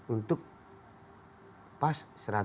untuk pas satu ratus empat puluh